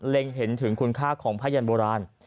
เห็นถึงคุณค่าของพยันโบราณ